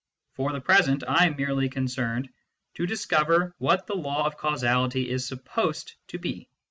For the present, I am merely concerned to discover what the law of causality is supposed to be.